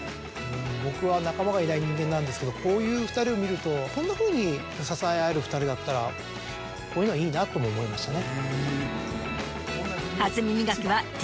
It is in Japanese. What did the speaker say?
僕は仲間がいない人間なんですけどこういう２人を見るとこんなふうに支え合える２人だったらこういうのはいいなとも思いましたね。